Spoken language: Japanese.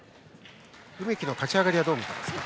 梅木の勝ち上がりはどう見ていますか。